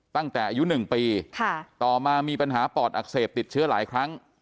ตั้งแต่อายุ๑ปีต่อมามีปัญหาปอดอักเสบติดเชื้อหลายครั้ง